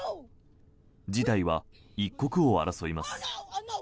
事態は一刻を争います。